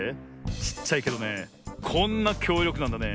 ちっちゃいけどねこんなきょうりょくなんだね。